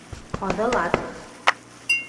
– Ыдылат?